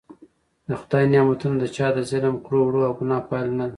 د خدای نعمتونه د چا د ظلم کړو وړو او ګناه پایله نده.